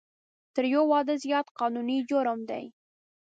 تر یو واده زیات قانوني جرم دی